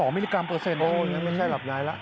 ๑๓๒มิลลิกรัมเปอร์เซ็นต์โอ้ยไม่ใช่หลับนายแล้ว